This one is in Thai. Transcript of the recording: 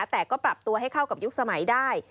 แต่ก็ปรับตัวให้เข้ากับยุคสมัยได้